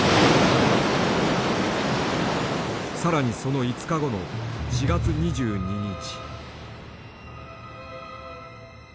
更にその５日後の４月２２日。